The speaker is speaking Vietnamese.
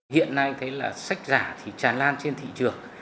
hiện nay thấy là sách giả thì tràn lan trên thị trường